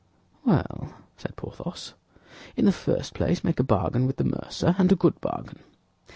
"Well," said Porthos, "in the first place make a bargain with the mercer, and a good bargain."